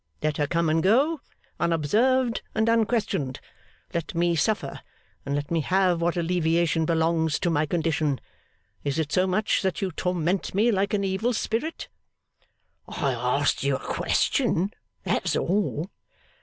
Let her come and go, unobserved and unquestioned. Let me suffer, and let me have what alleviation belongs to my condition. Is it so much, that you torment me like an evil spirit?' 'I asked you a question. That's all.